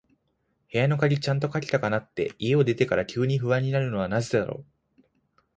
部屋の鍵、ちゃんとかけたかなって、家を出てから急に不安になるのはなぜだろう。